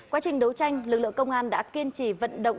quá trình đấu tranh lực lượng công an đã kiên trì vận động